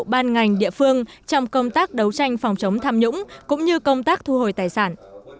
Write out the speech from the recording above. ban ngành địa phương trong công tác đấu tranh phòng chống tham nhũng cũng như công tác thu hồi tài sản